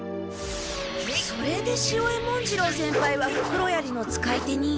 それで潮江文次郎先輩はふくろやりの使い手に。